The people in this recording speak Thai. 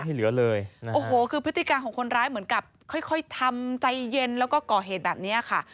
ที่เหลือเลยนะโอ้โหคือพฤติการของคนร้ายเหมือนกับค่อยค่อยทำใจเย็นแล้วก็ก่อเหตุแบบนี้ค่ะ